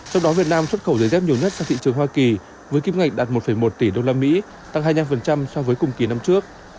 trong đó việt nam xuất khẩu giấy dép nhiều nhất sang thị trường hoa kỳ với kim ngạch đạt một một tỷ usd tăng hai mươi năm so với cùng kỳ năm trước